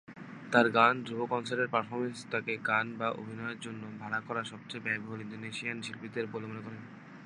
তার গান এবং ধ্রুব কনসার্টের পারফরম্যান্স তাকে গানে বা অভিনয়ের জন্য ভাড়া করা সবচেয়ে ব্যয়বহুল ইন্দোনেশিয়ার শিল্পীদের বলে মনে করে।